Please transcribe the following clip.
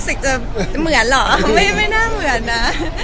เดินกันเหมือนหรอไม่น่าเหมือนนะ